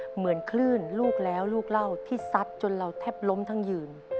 เหมือนคลื่นลูกแล้วลูกเล่าที่ซัดจนเราแทบล้มทั้งยืน